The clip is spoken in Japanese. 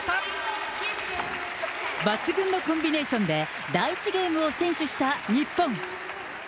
抜群のコンビネーションで第１ゲームを先取した日本。